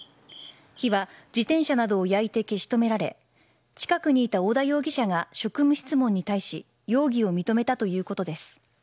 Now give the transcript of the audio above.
火は、自転車などを焼いて消し止められ近くにいた織田容疑者が職務質問に対し容疑を認めたということです。